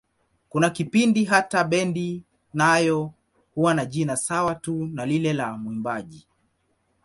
Kuna kipindi hata bendi nayo huwa na jina sawa tu na lile la mwimbaji.